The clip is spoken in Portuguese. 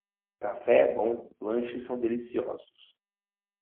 Café é bom, lanches são deliciosos.